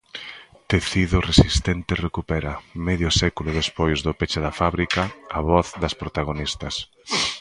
Tecido Resistente recupera, medio século despois do peche da fábrica, a voz das protagonistas.